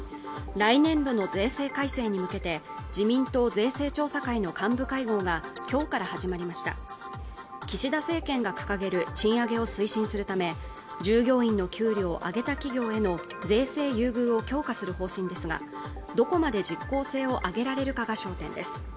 来年度の税制改正に向けて自民党税制調査会の幹部会合がきょうから始まりました岸田政権が掲げる賃上げを推進するため従業員の給料を上げた企業への税制優遇を強化する方針ですがどこまで実効性を上げられるかが焦点です